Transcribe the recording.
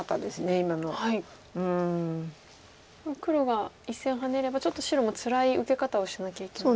黒が１線ハネればちょっと白もつらい受け方をしなきゃいけない。